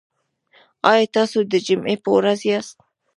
ایا تاسو د جمعې په ورځ یاست؟